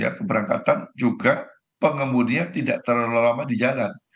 ya keberangkatan juga pengemudinya tidak terlalu lama di jalan